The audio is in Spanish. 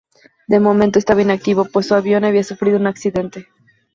De momento estaba inactivo pues su avión había sufrido un accidente.